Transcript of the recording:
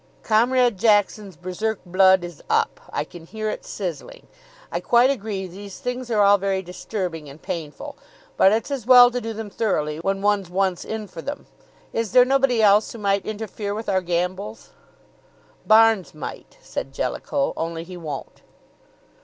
"Comrade Jackson's Berserk blood is up I can hear it sizzling. I quite agree these things are all very disturbing and painful, but it's as well to do them thoroughly when one's once in for them. Is there nobody else who might interfere with our gambols?" "Barnes might," said Jellicoe, "only he won't."